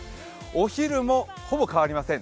お昼もほぼ変わりません。